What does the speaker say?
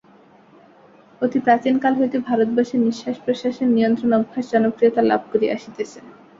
অতি প্রাচীনকাল হইতে ভারতবর্ষে নিঃশ্বাস-প্রশ্বাসের নিয়ন্ত্রণ-অভ্যাস জনপ্রিয়তা লাভ করিয়া আসিতেছে।